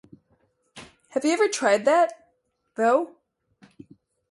Have you ever tried that, though?